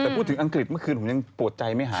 แต่พูดถึงอังกฤษเมื่อคืนผมยังปวดใจไม่หาย